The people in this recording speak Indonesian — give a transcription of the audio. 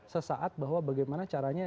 sesaat bahwa bagaimana caranya